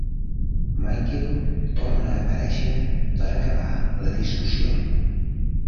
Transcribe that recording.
Michael torna a aparèixer per acabar la discussió.